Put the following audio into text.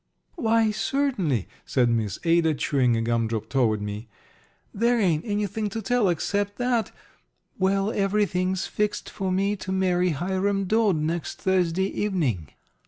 "Why, certainly," said Miss Ada, chewing a gum drop toward me. "There ain't anything to tell except that well, everything's fixed for me to marry Hiram Dodd next Thursday evening.